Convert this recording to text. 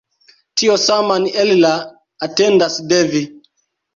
Tion saman Ella atendas de vi!